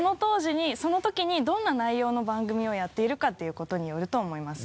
そのときにどんな内容の番組をやっているかということによると思います。